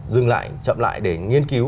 dừng lại chậm lại để nghiên cứu